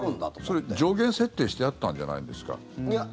それ、上限設定してあったんじゃないんですか？